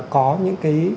có những cái